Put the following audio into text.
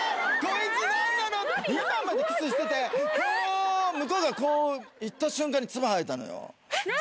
今までキスしててこう向こうがこう行った瞬間に唾吐いたのよ